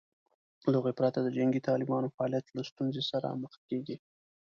له هغوی پرته د جنګي طالبانو فعالیت له ستونزې سره مخ کېږي